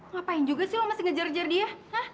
ngapain juga sih lo masih ngejar dia